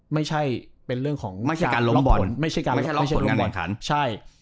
ไม่ใช่เป็นเรื่องของการล็อกผู้ตัดสินไม่ใช่การล็อกผู้ตัดสินการล้มบ่นใช่